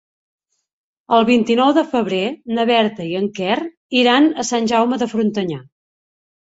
El vint-i-nou de febrer na Berta i en Quer iran a Sant Jaume de Frontanyà.